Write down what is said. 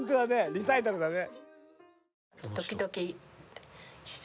リサイタルだね。